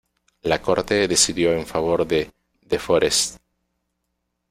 La Corte decidió en favor de De Forest.